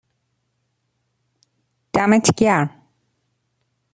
دمت گرم